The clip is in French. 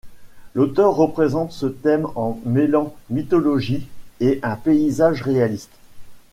L'auteur représente ce thème en mêlant mythologie et un paysage réaliste.